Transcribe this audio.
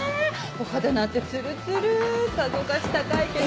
お肌なんてツルツルさぞかし高い化粧水。